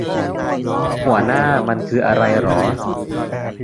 หัวหน้ามันคืออะไรหรอ